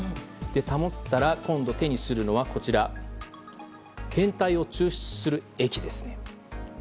保ったら、今度手にするのは検体を抽出する液です。